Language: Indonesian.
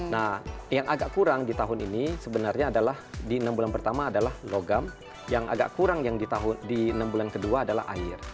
nah yang agak kurang di tahun ini sebenarnya adalah di enam bulan pertama adalah logam yang agak kurang yang di enam bulan kedua adalah air